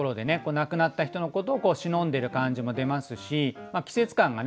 亡くなった人のことをしのんでる感じも出ますし季節感がね